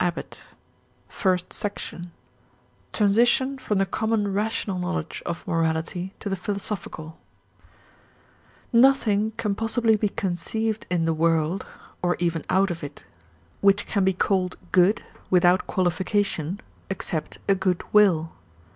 SEC_1 FIRST SECTION TRANSITION FROM THE COMMON RATIONAL KNOWLEDGE OF MORALITY TO THE PHILOSOPHICAL Nothing can possibly be conceived in the world, or even out of it, which can be called good, without qualification, except a good will.